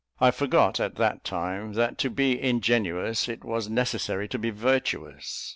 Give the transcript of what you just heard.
I forgot, at that time, that to be ingenuous it was necessary to be virtuous.